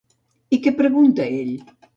I què pregunta ell?